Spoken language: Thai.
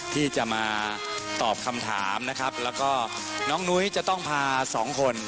ที่จะมาตอบคำถามนะครับแล้วก็น้องนุ้ยจะต้องพาสองคน